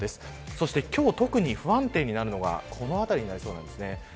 そして今日特に不安定になるのがこの辺りになりそうです。